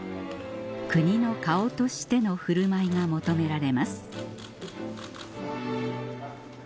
国の顔としての振る舞いが求められます